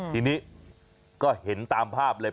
ทีนี้ก็เห็นตามภาพเลย